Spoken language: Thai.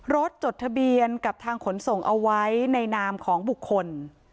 จดทะเบียนกับทางขนส่งเอาไว้ในนามของบุคคล